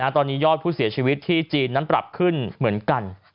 ตอนนี้ยอดผู้เสียชีวิตที่จีนนั้นปรับขึ้นเหมือนกัน